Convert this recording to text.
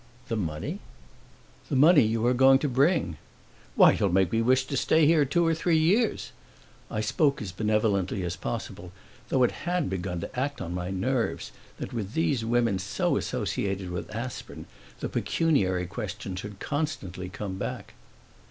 "The money?" "The money you are going to bring." "Why, you'll make me wish to stay here two or three years." I spoke as benevolently as possible, though it had begun to act on my nerves that with these women so associated with Aspern the pecuniary question should constantly come back.